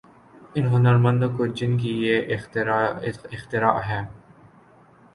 ان ہنرمندوں کو جن کی یہ اختراع ہے۔